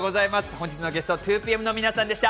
本日のゲスト、２ＰＭの皆さんでした。